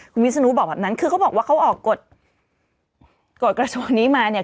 คุณวิศนุบอกแบบนั้นคือเขาบอกว่าเขาออกกฎกฎกระทรวงนี้มาเนี่ย